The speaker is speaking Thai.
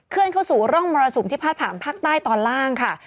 เข้าสู่ร่องมรสุมที่พาดผ่านภาคใต้ตอนล่างค่ะ